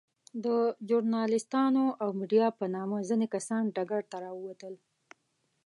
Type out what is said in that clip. د ژورناليستانو او ميډيا په نامه ځينې کسان ډګر ته راووتل.